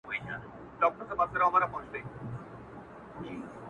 په دې باب دي څه لوستلي دي که نه دي!!